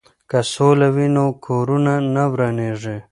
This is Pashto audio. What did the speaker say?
که سوله وي نو کورونه نه ورانیږي.